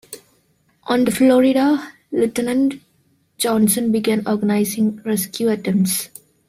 On the "Florida" Lieutenant Johnson began organizing rescue attempts.